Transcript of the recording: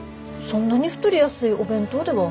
そんなに太りやすいお弁当では。